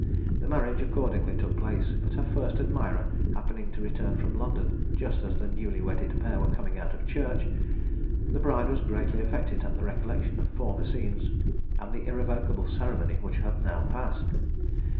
The marriage accordingly took place; but her first admirer happening to return from London just as the newly wedded pair were coming out of church, the bride was greatly affected at the recollection of former scenes, and the irrevocable ceremony which had now passed.